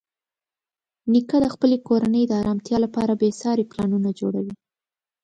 نیکه د خپلې کورنۍ د ارامتیا لپاره بېساري پلانونه جوړوي.